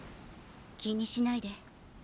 気にしないで。